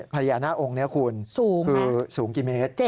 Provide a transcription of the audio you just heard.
พญานาคองค์นี้คุณคือสูงกี่เมตร